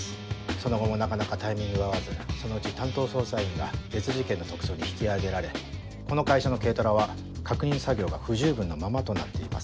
その後もなかなかタイミングが合わずそのうち担当捜査員が別事件の特捜に引き上げられこの会社の軽トラは確認作業が不十分なままとなっています。